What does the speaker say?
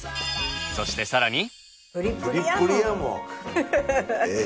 そしてさらに！